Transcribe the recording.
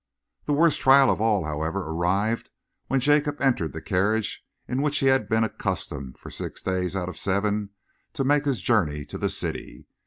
The worst trial of all, however, arrived when Jacob entered the carriage in which he had been accustomed, for six days out of seven, to make his journey to the city.